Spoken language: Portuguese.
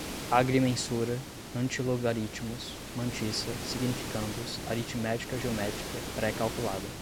agrimensura, antilogaritmos, mantissa, significandos, aritmética-geométrica, pré-calculada